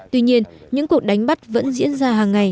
tuy nhiên những cuộc đánh bắt này không chỉ là một cuộc đánh bắt